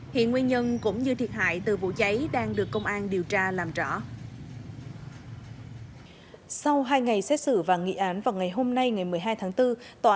hiện nguyên nhân cũng như thiệt hại từ vụ cháy đang được công an điều tra làm rõ